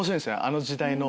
あの時代の。